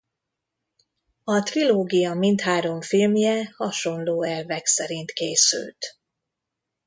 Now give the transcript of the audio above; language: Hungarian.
A trilógia mindhárom filmje hasonló elvek szerint készült.